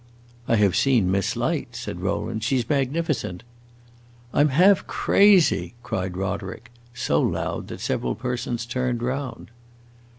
"I have seen Miss Light," said Rowland. "She 's magnificent." "I 'm half crazy!" cried Roderick; so loud that several persons turned round.